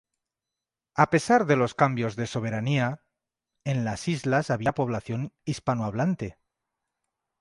A pesar de los cambios de soberanía, en las islas había población hispanohablante.